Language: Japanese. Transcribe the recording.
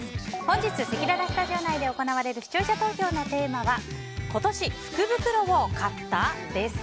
本日せきららスタジオ内で行われる視聴者投票のテーマは今年、福袋を買った？です。